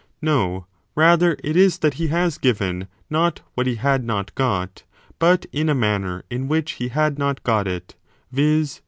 No : rather it is that he has given, not what he had not got, but in a manner in which he had not got it, viz.